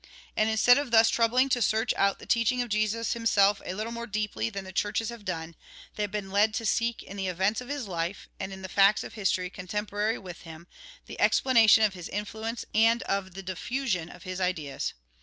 And, instead of thus troubling to search out the teaching of Jesus himself a little more deeply than the Churches have done, they have been led to seek in the events of his life, and in the facts of history contemporary with him, the explanation of his influence and of the diffusion of his ideas.